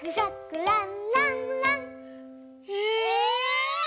え！